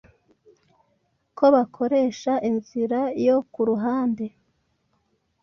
ko bakoresha inzira yo kuruhande